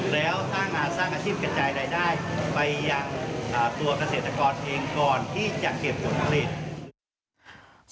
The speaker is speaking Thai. แล้วสร้างอาชีพกระจายรายได้ไปยังตัวเกษตรกรเองก่อนที่จะเก็บผลผลิต